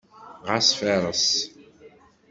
Ɣas fareṣ.